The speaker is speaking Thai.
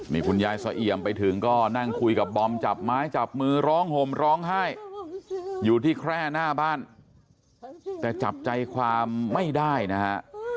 นี่คุณยายสะเอี่ยมไปถึงก็นั่งคุยกับบอมจับไม้จับมือร้องห่มร้องไห้อยู่ที่แคร่หน้าบ้านแต่จับใจความไม่ได้นะฮะ